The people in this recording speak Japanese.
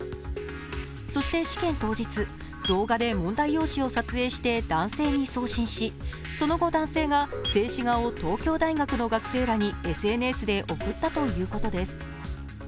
そして試験当日、動画で問題用紙を撮影して男性に送信し、その後、男性が静止画を東京大学の学生らにＳＮＳで送ったということです。